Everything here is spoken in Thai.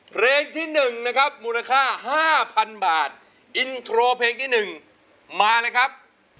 เพลงที่๑นะครับมูลค่า๕๐๐๐บาทอินโทรเพลงที่๑มาเลยครับ